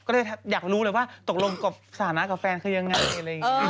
ก็เลยอยากรู้เลยว่าตกลงกบสถานะกับแฟนคือยังไงอะไรอย่างนี้